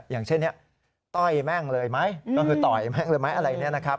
อย่างเช่นนี้ต้อยแม่งเลยไหมก็คือต่อยแม่งเลยไหมอะไรเนี่ยนะครับ